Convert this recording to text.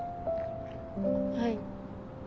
はい。